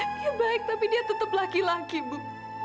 dia baik tapi dia tetap laki laki bu